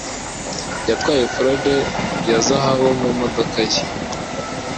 yatwaye frode ya zahabu mumodoka ye